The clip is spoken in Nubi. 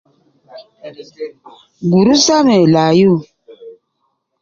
Gurusa me layu